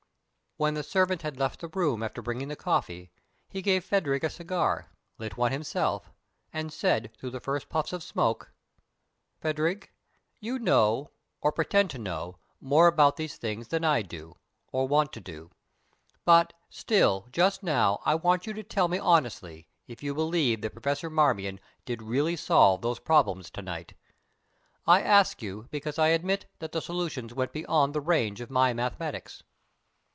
When the servant had left the room after bringing the coffee, he gave Phadrig a cigar, lit one himself, and said through the first puffs of smoke: "Phadrig, you know, or pretend to know, more about these things than I do, or want to do: but, still, just now I want you to tell me honestly if you believe that Professor Marmion did really solve those problems to night. I ask you because I admit that the solutions went beyond the range of my mathematics."